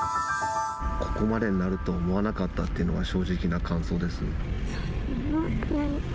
ここまでになるとは思わなかったっていうのが、正直な感想ですよね。